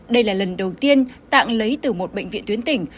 đây là lần đầu tiên tạng lấy từ một bệnh viện tuyến tỉnh